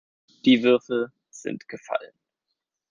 Die Würfel sind gefallen.